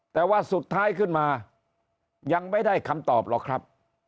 แต่ว่าสุดท้ายขึ้นมายังไม่ได้คำตอบหรอกครับ